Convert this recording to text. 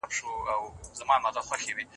عشق د انسان لپاره طبیعت لا پسې ښکلی کوي.